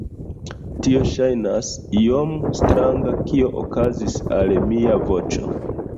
Tio ŝajnas iom stranga kio okazis al mia voĉo